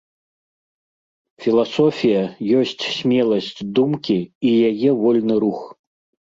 Філасофія ёсць смеласць думкі і яе вольны рух.